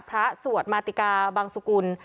สวดมาติกาบังสุกุล